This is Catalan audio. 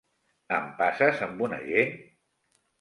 Em passes amb un agent?